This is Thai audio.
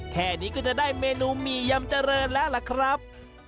แค่นี้ก็จะได้เมนูหมี่ยำเจริญแล้วล่ะครับ